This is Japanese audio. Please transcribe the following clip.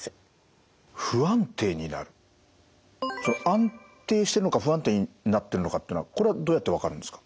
安定してるのか不安定になってるのかってのはこれはどうやって分かるんですか？